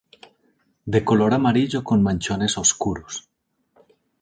De color amarillo con manchones oscuros.